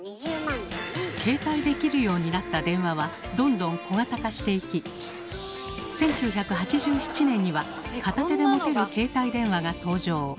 携帯できるようになった電話はどんどん小型化していき１９８７年には片手で持てる携帯電話が登場。